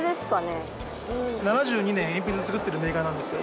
７２年鉛筆を作っているメーカーなんですよ。